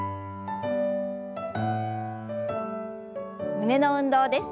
胸の運動です。